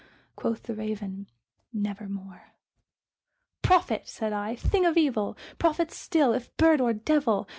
Quoth the Raven, "Nevermore." "Prophet!" said I, "thing of evil prophet still, if bird or devil!